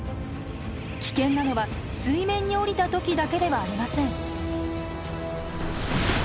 危険なのは水面に降りた時だけではありません。